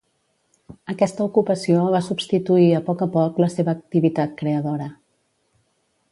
Aquesta ocupació va substituir a poc a poc la seva activitat creadora.